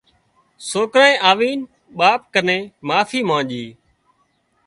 سوڪرانئي آوينَ ٻاپ ڪنين معافي مانڄي